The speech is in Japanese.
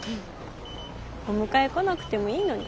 お迎え来なくてもいいのに。